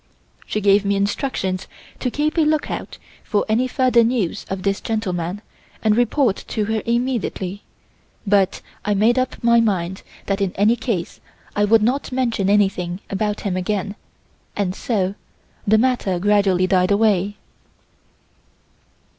She gave me instructions to keep a lookout for any further news of this gentleman and report to her immediately, but I made up my mind that in any case, I would not mention anything about him again and so the matter gradually died away.